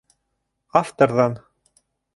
Авторҙан